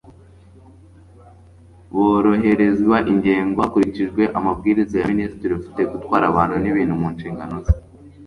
boroherezwa ingengo hakurikijwe amabwiriza ya minisitiri ufite gutwara abantu n'ibintu mu nshingano ze